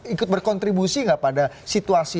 ikut berkontribusi nggak pada situasi